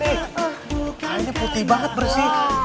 kainnya putih banget bersih